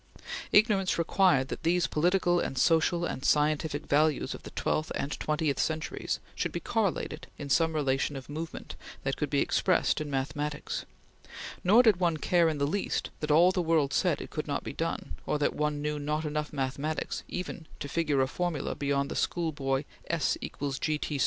Ignorance required that these political and social and scientific values of the twelfth and twentieth centuries should be correlated in some relation of movement that could be expressed in mathematics, nor did one care in the least that all the world said it could not be done, or that one knew not enough mathematics even to figure a formula beyond the schoolboy s = gt^2/2.